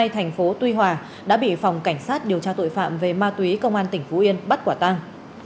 tp tuy hòa đã bị phòng cảnh sát điều tra tội phạm về ma túy công an tp yên bắt quả tăng